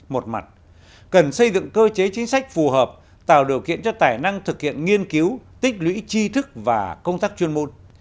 một mặt cần xây dựng cơ chế chính sách phù hợp tạo điều kiện cho tài năng thực hiện nghiên cứu tích lũy chi thức và công tác chuyên môn